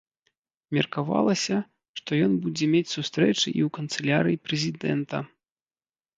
Меркавалася, што ён будзе мець сустрэчы і ў канцылярыі прэзідэнта.